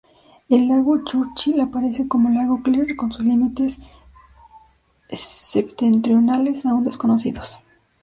El lago Churchill aparece como lago Clear, con sus límites septentrionales aún desconocidos.